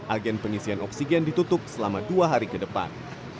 agen pengisian oksigen ditutup selama dua hari ke depan